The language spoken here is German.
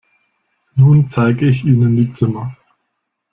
Nun zeige ich Ihnen die Zimmer.